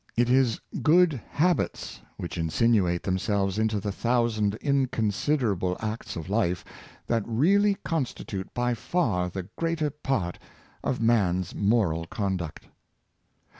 It is good habits, which insinuate themselves into the thousand inconsiderable acts of life, that really con stitute by far the greater part of man's moral con duct.